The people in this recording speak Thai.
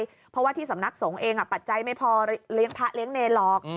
เพราะว่าที่สำนักสงฆ์เองปัจจัยไม่พอเลี้ยงพระเลี้ยงเนรหรอก